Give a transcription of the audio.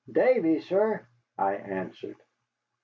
"Davy, sir," I answered.